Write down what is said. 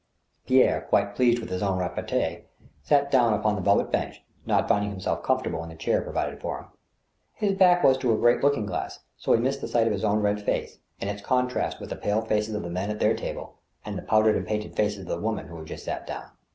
Pierre, quite pleased with his own repartee, sat down upon the velvet bench, not finding himself comfortable in the chair provided for him. His back was to a great looking glass, so he missed the sight of his own red face, and its contrast with the pale faces of the men at their table, and the powdered and painted faces of the women who had just sat down.